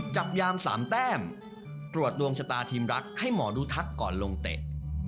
จับยาม๓แต้มตรวจดวงชะตาทีมรักให้หมอดูทักก่อนลงเตะ